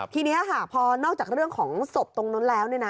ทีนี้ค่ะพอนอกจากเรื่องของศพตรงนั้นแล้ว